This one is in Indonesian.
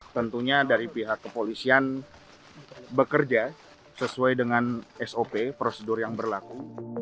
tentunya dari pihak kepolisian bekerja sesuai dengan sop prosedur yang berlaku